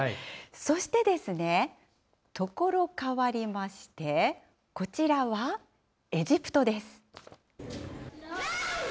そしてですね、所変わりまして、こちらはエジプトです。